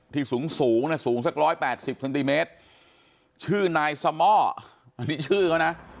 สูงสูงนะสูงสัก๑๘๐เซนติเมตรชื่อนายสม่ออันนี้ชื่อเขานะ